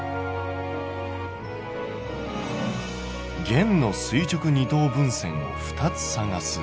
「弦の垂直二等分線を２つ探す」。